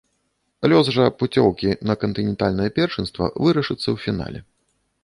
Лёс жа пуцёўкі на кантынентальнае першынства вырашыцца ў фінале.